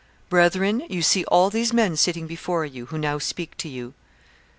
Brethren, you see all these men sitting before you, who now speak to you.